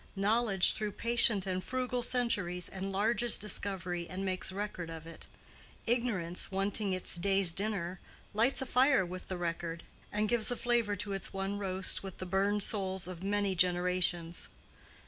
Knowledge, through patient and frugal centuries, enlarges discovery and makes record of it; Ignorance, wanting its day's dinner, lights a fire with the record, and gives a flavor to its one roast with the burned souls of many generations.